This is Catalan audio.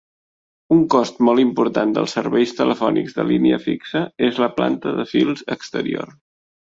Un cost molt important dels serveis telefònics de línia fixa és la planta de fils exterior.